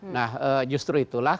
nah justru itulah